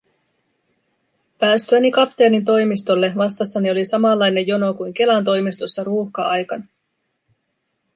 Päästyäni kapteenin toimistolle, vastassani oli samanlainen jono kuin Kelan toimistossa ruuhka-aikana.